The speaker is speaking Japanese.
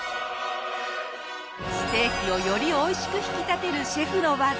ステーキをよりおいしく引き立てるシェフの技